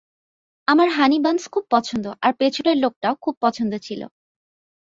আমার honey buns খুব পছন্দ, আর পেছনের লোকটাও খুব পছন্দ ছিল।